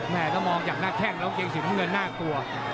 แม่ก็มองจากหน้าแข้งแล้วเกงสีมะเงินน่ากลัว